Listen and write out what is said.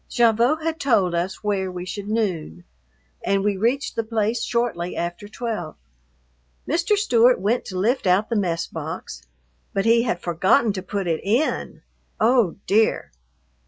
Gavotte had told us where we should noon, and we reached the place shortly after twelve. Mr. Stewart went to lift out the mess box, but he had forgotten to put it in! Oh, dear!